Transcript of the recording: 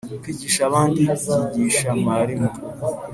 kwigisha abandi byigisha mwarimu